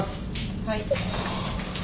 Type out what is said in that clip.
はい。